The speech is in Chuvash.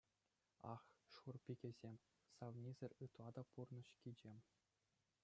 Ах, шур пикесем, савнисӗр ытла та пурнӑҫ кичем.